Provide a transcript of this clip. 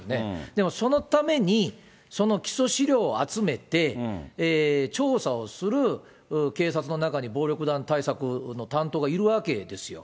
でも、そのために、その基礎資料を集めて、調査をする警察の中に暴力団対策の担当がいるわけですよ。